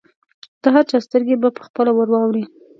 د هر چا سترګې به پخپله ورواوړي.